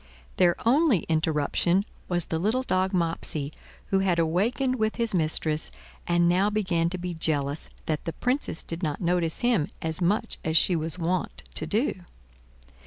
Their only interruption was the little dog Mopsey, who had awakened with his mistress, and now began to be jealous that the Princess did not notice him as much as she was wont to do.